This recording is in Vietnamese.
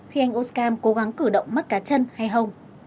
khi anh oscarm cố gắng cử động mắt cá chân hay hông